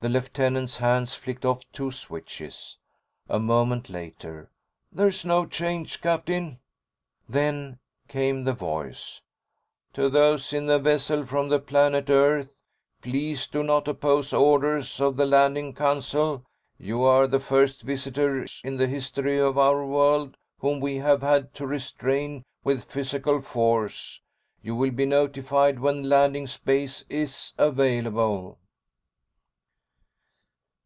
The Lieutenant's hands flicked off two switches. A moment later: "There's no change, Captain." Then came the voice: "To those in the vessel from the planet Earth: Please do not oppose orders of the Landing Council. You are the first visitors in the history of our world whom we have had to restrain with physical force. You will be notified when landing space is available."